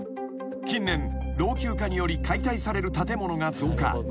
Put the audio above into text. ［近年老朽化により解体される建物が増加］